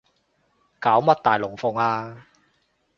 搞乜大龍鳳啊